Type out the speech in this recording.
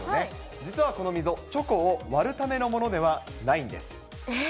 実は、この溝、チョコを割るためのものではないんです。